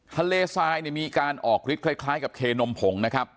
ทะเลทรายเนี่ยมีการออกฤทธิคล้ายกับเคนมผงนะครับ